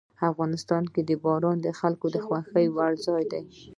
افغانستان کې باران د خلکو د خوښې وړ ځای دی.